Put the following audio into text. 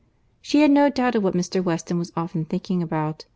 She had no doubt of what Mr. Weston was often thinking about.